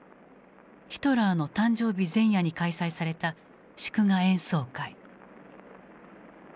ヒトラーの誕生日前夜に開催された祝賀演奏会。